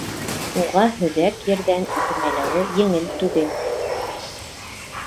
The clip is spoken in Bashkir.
Уға һөҙәк ерҙән үрмәләүе еңел түгел.